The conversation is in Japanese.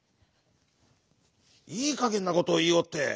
「いいかげんなことをいいおって。